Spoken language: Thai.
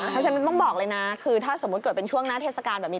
เพราะฉะนั้นต้องบอกเลยนะคือถ้าสมมุติเกิดเป็นช่วงหน้าเทศกาลแบบนี้